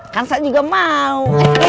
kan saya juga mau